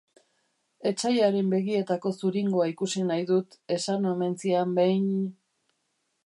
Etsaiaren begietako zuringoa ikusi nahi dut, esan omen zian behin...